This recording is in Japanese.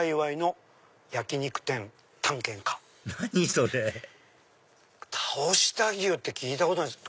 それたおした牛って聞いたことないです。